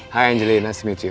hai angelie senang bertemu